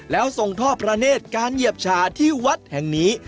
แล้วส่งท่อประเนศการเหยียบชาที่วัดแห่งนี้